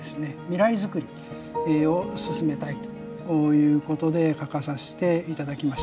未来づくりを進めたいということで書かさせていただきました。